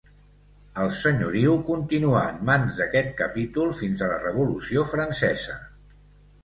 El senyoriu continuà en mans d'aquest capítol fins a la Revolució Francesa.